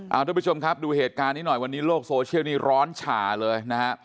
เอาทุกผู้ชมครับดูเหตุการณ์นี้หน่อยวันนี้โลกโซเชียลนี้ร้อนฉ่าเลยนะฮะ